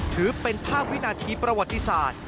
ถือเป็นภาพวินาทีประวัติศาสตร์